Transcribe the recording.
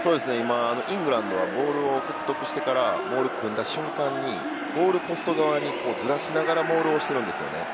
イングランドはボールを獲得してからモールを組んだ瞬間にゴールポスト側にずらしながらモールをしてるんですね。